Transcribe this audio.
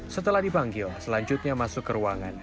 setelah dipanggil selanjutnya masuk ke ruangan